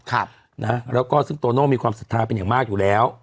ครับนะแล้วก็ซึ่งโตโน่มีความศรัทธาเป็นอย่างมากอยู่แล้ว